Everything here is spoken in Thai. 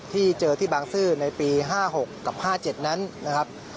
ที่เจอที่บางซื่อในปี๕๖กับ๕๗นั้นนะครับ